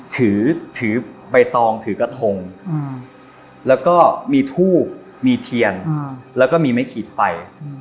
ถือใบตองถือกระทงแล้วก็มีทูบมีเทียนแล้วก็มีไม้ขีดไฟ